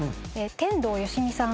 天童よしみさん。